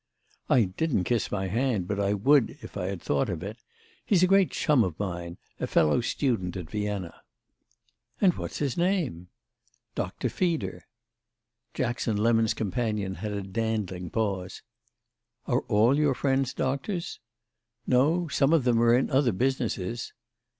"I didn't kiss my hand, but I would if I had thought of it. He's a great chum of mine—a fellow student at Vienna." "And what's his name?" "Doctor Feeder." Jackson Lemon's companion had a dandling pause. "Are all your friends doctors?" "No—some of them are in other businesses."